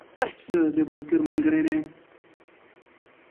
پسه د بزګر ملګری دی.